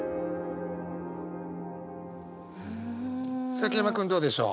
崎山君どうでしょう？